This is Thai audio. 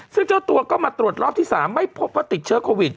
ซึ่งเจ้าตัวก็มาตรวจรอบที่๓ไม่พบว่าติดเชื้อโควิด